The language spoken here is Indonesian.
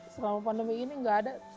selama pandemi ini nggak ada